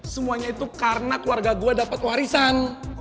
semuanya itu karena keluarga gue dapat warisan